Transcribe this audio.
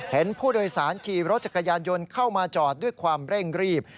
เห็นผู้โดยสารขี่รถจักรยานยนต์เข้ามาจอดด้วยความเร่งรีบ